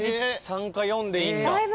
３か４でいいんだ。